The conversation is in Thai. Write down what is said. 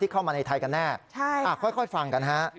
เข้ามาในไทยกันแน่ค่อยฟังกันฮะ